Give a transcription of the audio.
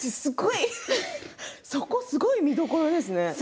そこはすごく見どころですね。